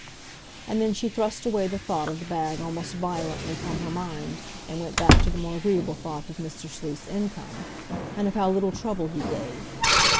And then she thrust away the thought of the bag almost violently from her mind, and went back to the more agreeable thought of Mr. Sleuth's income, and of how little trouble he gave.